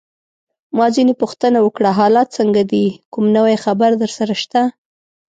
ما ځینې پوښتنه وکړه: حالات څنګه دي؟ کوم نوی خبر درسره شته؟